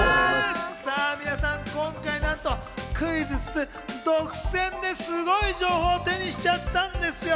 皆さん、今回なんとクイズッス独占ですごい情報を手にしちゃったんですよ。